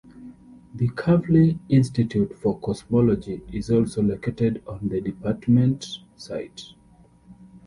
The Kavli Institute for Cosmology is also located on the department site.